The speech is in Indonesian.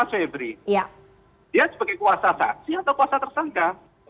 dia sebagai kuasa saksi atau kuasa tersangka